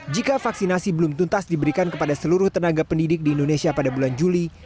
jika vaksinasi belum tuntas diberikan kepada seluruh tenaga pendidik di indonesia pada bulan juli